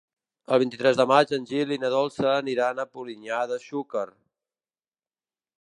El vint-i-tres de maig en Gil i na Dolça aniran a Polinyà de Xúquer.